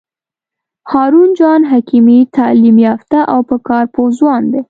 هارون جان حکیمي تعلیم یافته او په کار پوه ځوان دی.